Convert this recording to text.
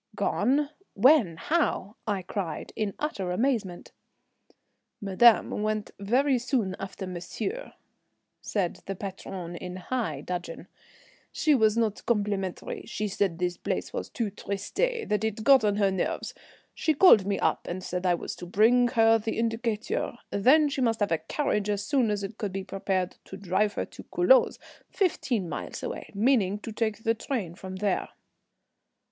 "Gone? When? How?" I cried, in utter amazement. "Madame went very soon after monsieur," said the patronne, in high dudgeon. "She was not complimentary, she said this place was too triste, that it got on her nerves. She called me up and said I was to bring her the Indicateur. Then she must have a carriage as soon as it could be prepared to drive her to Culoz, fifteen miles away, meaning to take the train from there."